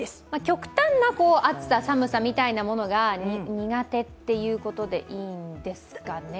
極端な暑さ、寒さが苦手ということでいいんですかね。